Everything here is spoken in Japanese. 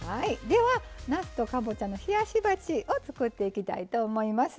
ではなすとかぼちゃの冷やし鉢を作っていきたいと思います。